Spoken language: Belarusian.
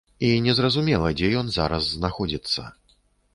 І незразумела, дзе ён зараз знаходзіцца.